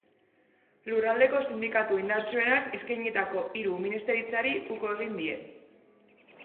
Lurraldeko sindikatu indartsuenak eskainitako hiru ministeritzari uko egin die.